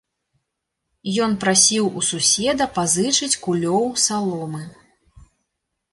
Ён прасіў у суседа пазычыць кулёў саломы.